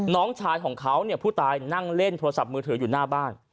น้องชายของเขาเนี่ยผู้ตายนั่งเล่นโทรศัพท์มือถืออยู่หน้าบ้าน